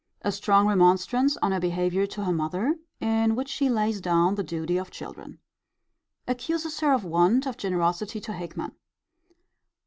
A strong remonstrance on her behaviour to her mother; in which she lays down the duty of children. Accuses her of want of generosity to Hickman.